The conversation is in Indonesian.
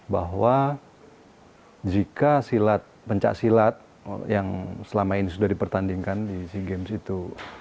bahwa jika silat pencak silat yang selama ini sudah dipertandingkan di sea games itu